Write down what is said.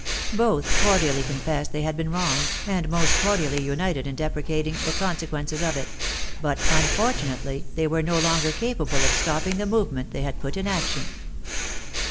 Both cordially confessed they had been wrong, and most cordially united in deprecating the consequences of it ; but, unfortunately, they were no longer capable of stopping the movement they had put in action.